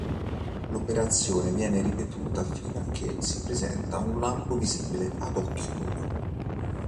L'operazione viene ripetuta fino a che si presenta un lampo visibile ad occhio nudo.